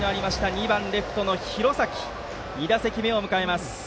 ２番レフトの廣崎の２打席目を迎えます。